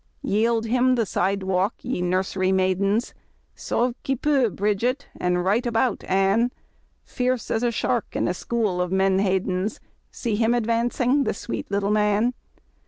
Yield him the sidewalk, ye nursery maidens I Sauve qnlpeut! Bridget, and Right about! Ann; — Fierce as a shark in a school of menhadens, See him advancing, the sweet little man!